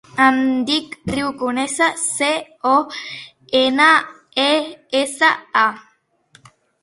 Em dic Riu Conesa: ce, o, ena, e, essa, a.